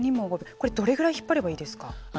これ、どれぐらい引っ張ればいいですか。